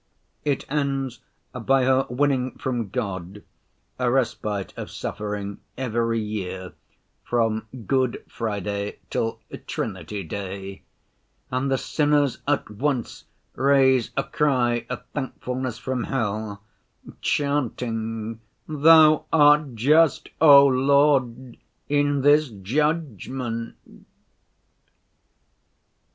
It ends by her winning from God a respite of suffering every year from Good Friday till Trinity Day, and the sinners at once raise a cry of thankfulness from hell, chanting, 'Thou art just, O Lord, in this judgment.